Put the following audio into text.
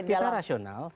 saya kira kita rasional